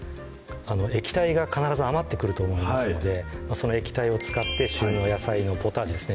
液体が必ず余ってくると思いますのでその液体を使って旬の野菜のポタージュですね